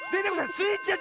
スイちゃん。